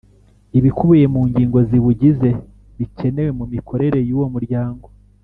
ibikubiye mu ngingo ziwugize bikenerwe mu mikorere y uwo Muryango